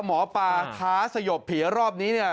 หมอปลาท้าสยบผีรอบนี้เนี่ย